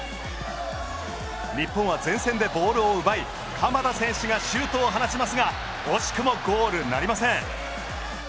日本は前線でボールを奪い鎌田選手がシュートを放ちますが惜しくもゴールなりません。